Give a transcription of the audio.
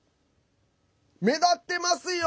目立ってますよ！